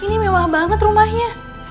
ini mewah banget rumahnya